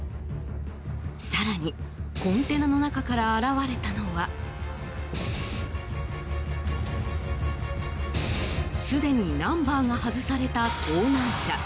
更にコンテナの中から現れたのはすでにナンバーが外された盗難車。